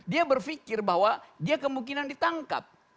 dia berpikir bahwa dia kemungkinan ditangkap